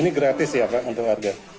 ini gratis ya pak untuk warga